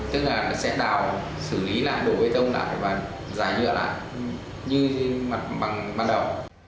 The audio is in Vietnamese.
tức là sẽ đào xử lý đổ bê tông lại và giải nhựa lại như bằng ban đầu